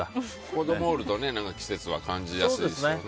子供おると季節は感じやすいですよね。